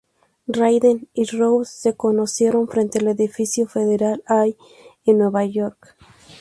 Raiden y Rose se conocieron frente el edificio Federal Hall en Nueva York.